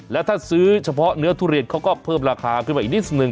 แล้วถ้าซื้อเฉพาะเนื้อทุเรียนเขาก็เพิ่มราคาขึ้นมาอีกนิดนึ